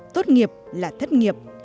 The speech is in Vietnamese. tốt nghiệp là thất nghiệp